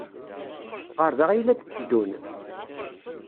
Ɣer da ay la d-tteddun?